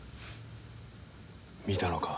見たのか？